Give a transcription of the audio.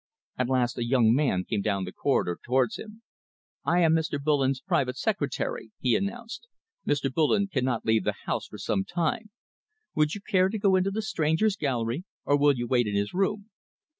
At last a young man came down the corridor towards him. "I am Mr. Bullen's private secretary," he announced. "Mr. Bullen cannot leave the House for some time. Would you care to go into the Strangers' Gallery, or will you wait in his room?"